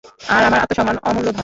আর আমার আত্মসম্মান অমূল্য ধন।